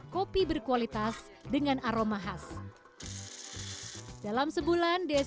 kopi siongkut kementerian pariwisata dan ekonomi kreatif